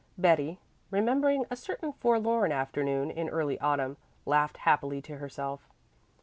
Betty, remembering a certain forlorn afternoon in early autumn, laughed happily to herself.